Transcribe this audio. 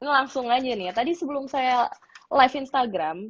langsung aja nih ya tadi sebelum saya live instagram